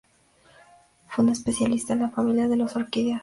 Fue un especialista en la familia de las orquídeas.